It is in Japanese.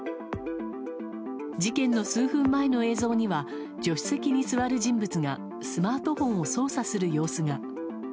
事件の数分前の映像には助手席に座る人物がスマートフォンを操作する様子が。